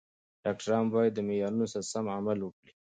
ډاکټران باید د معیارونو سره سم عمل وکړي.